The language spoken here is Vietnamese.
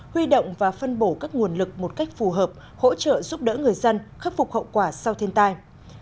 huy động và phân bổ các nguồn lực một cách phù hợp hỗ trợ giúp đỡ người dân khắc phục hậu quả sau thiên tai